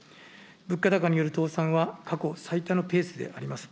物価高による倒産は過去最多のペースであります。